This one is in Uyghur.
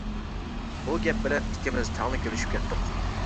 بۇ گەپ بىلەن ئىككىمىز تەڭلا كۈلۈشۈپ كەتتۇق.